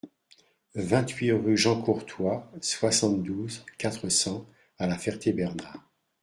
vingt-huit rue Jean Courtois, soixante-douze, quatre cents à La Ferté-Bernard